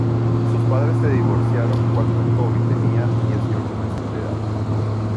Sus padres se divorciaron cuando Toby tenía dieciocho meses de edad.